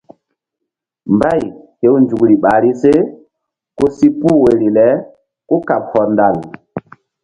Mbay hew nzukri ɓahri se ku si puh woyri le kúkaɓ hɔndal.